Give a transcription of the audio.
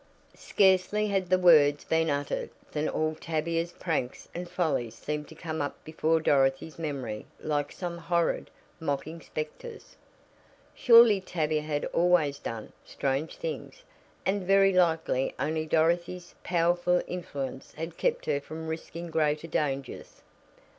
Scarcely had the words been uttered than all Tavia's pranks and follies seemed to come up before Dorothy's memory like some horrid, mocking specters. Surely Tavia had always done "strange things," and very likely only Dorothy's powerful influence had kept her from risking greater dangers.